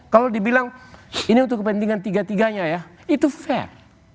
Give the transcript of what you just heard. kalau dibilang ini untuk kepentingan tiga tiganya ya itu fair